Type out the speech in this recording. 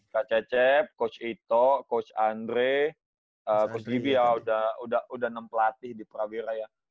kak cecep coach ito coach andre coach givi ya udah enam pelatih di prawira ya